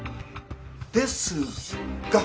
ですが。